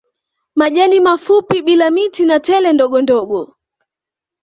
Majani mafupi bila miti na tele ndogondogo